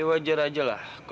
maksudnya menurut zalannya